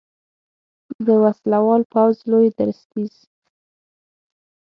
د وسلوال پوځ لوی درستیز